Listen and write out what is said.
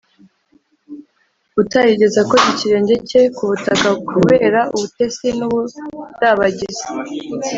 utarigeze akoza ikirenge cye ku butaka kubera ubutesi n’ubudabagizi,